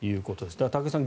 だから高木さん